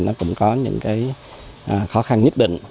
nó cũng có những khó khăn nhất định